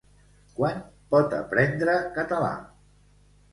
Quan pot aprendre català?